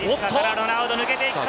ロナウド抜けていった！